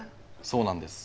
そうなんです。